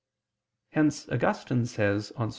Hence Augustine says on Ps.